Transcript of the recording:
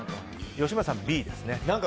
吉村さんはＢですね。